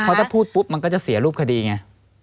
เพราะถ้าพูดปุ๊บมันก็จะเสียรูปคดีไง